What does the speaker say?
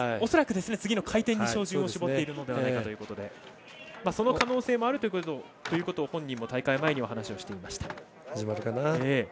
恐らく次の回転に照準を絞っているのではないかということでその可能性もあるということを本人も大会前に話をしていました。